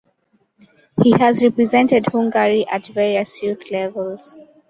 He has represented Hungary at various youth levels.